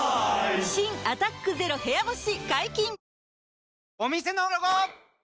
新「アタックＺＥＲＯ部屋干し」